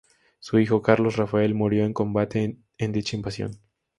Su hijo, Carlos Rafael, murió en combate en dicha invasión.